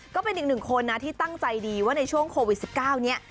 ก็เป็นอีกหนึ่งคนนะที่ตั้งใจดีว่าในช่วงโควิด๑๙เนี่ย